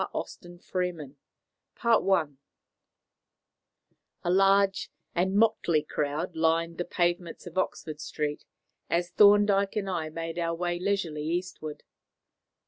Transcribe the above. V THE MOABITE CIPHER A large and motley crowd lined the pavements of Oxford Street as Thorndyke and I made our way leisurely eastward.